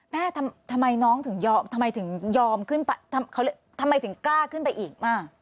แม่ทำไมน้องถึงยอมขึ้นไปทำไมถึงกล้าขึ้นไปอีก